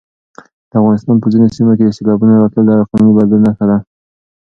د افغانستان په ځینو سیمو کې د سېلابونو راتلل د اقلیمي بدلون نښه ده.